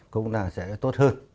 cũng là sẽ tốt hơn